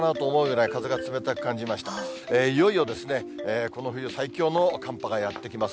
いよいよ、この冬最強の寒波がやって来ます。